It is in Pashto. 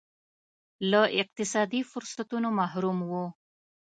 له اقتصادي فرصتونو محروم وو.